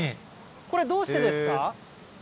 これ、どうしてですか？